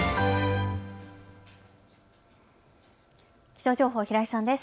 気象情報、平井さんです。